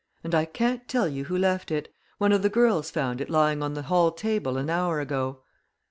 "And I can't tell you who left it. One of the girls found it lying on the hall table an hour ago."